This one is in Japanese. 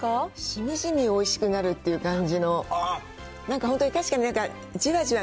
しみじみおいしくなるっていう感じの、なんか本当に、確かにじわじわ。